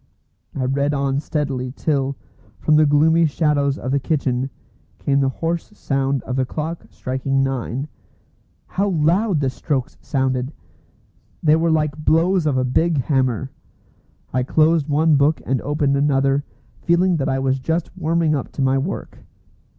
I read on steadily till, from the gloomy shadows of the kitchen, came the hoarse sound of the clock striking nine. How loud the strokes sounded! They were like blows of a big hammer. I closed one book and opened another, feeling that I was just warming up to my work.